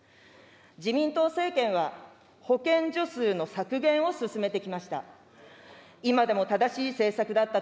自民党政権は保健所数の削減を進めてきました。